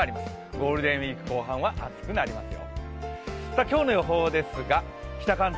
ゴールデンウイーク後半は暑くなりますよ。